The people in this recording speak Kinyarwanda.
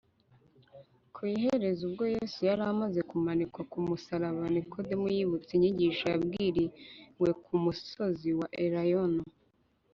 . Ku iherezo, ubwo Yesu yari amaze kumanikwa ku musaraba, Nikodemo yibutse inyigisho yabwiriwe ku musozi wa Elayono